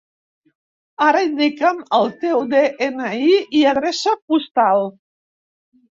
Ara indica'm el teu de-ena-i i adreça postal.